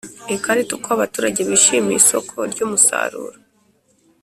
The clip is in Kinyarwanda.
Ikarita uko abaturage bishimiye isoko ry umusaruro